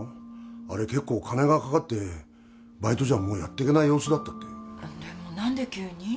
あれ結構金がかかってバイトじゃもうやっていけない様子だったってでも何で急に？